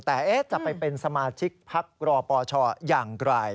แต่จะไปเป็นสมาชิกพักรอปชอย่างไกล